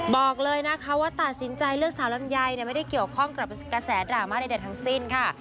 บอกเลยนะคะว่าตัดสินใจเลือกสาวลำไยไม่ได้เกี่ยวข้องกับกระแสดราม่าใดทั้งสิ้นค่ะ